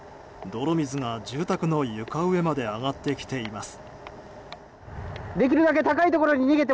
泥水が住宅の床上まで上がってきています。